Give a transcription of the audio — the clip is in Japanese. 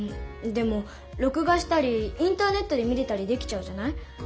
でもろく画したりインターネットで見れたりできちゃうじゃない。